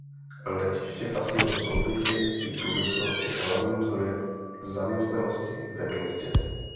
Letiště a s ním související průmysl je hlavním zdrojem zaměstnanosti ve městě.